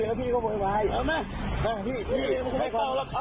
เราจะรีบไปเรามีงานอยู่